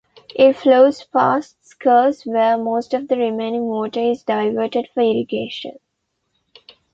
It flows past Schurz, where most of the remaining water is diverted for irrigation.